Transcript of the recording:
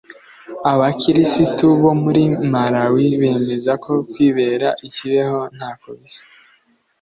Abakirisitu bo muri malawi bemeza ko kwibera ikibeho ntako bisa